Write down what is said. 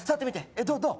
えっ？どう？